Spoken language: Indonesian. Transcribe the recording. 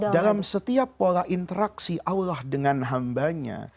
dalam setiap pola interaksi allah dengan hambanya